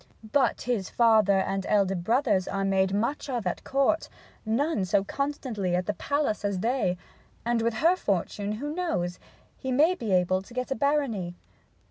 'But his father and elder brothers are made much of at Court none so constantly at the palace as they; and with her fortune, who knows? He may be able to get a barony.'